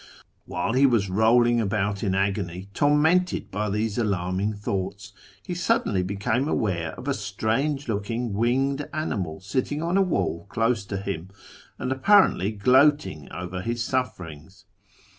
" While he was rolling about in agony, tormented by these alarming thoughts, he suddenly became aware of a strange looking winged animal sitting on a wall close to him, and apparently gloating over his sufferings.